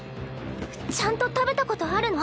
ちゃんと食べたことあるの？